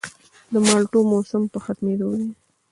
د مالټو موسم په ختمېدو دی